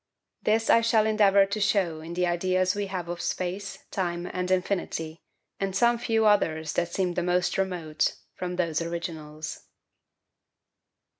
This I shall endeavour to show in the ideas we have of space, time, and infinity, and some few others that seem the most remote, from those originals.